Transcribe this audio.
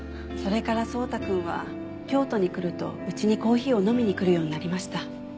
それから草太くんは京都に来るとうちにコーヒーを飲みに来るようになりました。